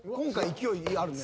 勢いあるね